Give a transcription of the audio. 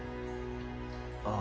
ああ。